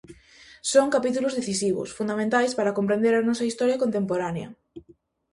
Son capítulos decisivos, fundamentais para comprender a nosa historia contemporánea.